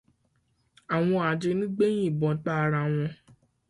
Àwọn ajínigbé yìnbọn pa ara wọn.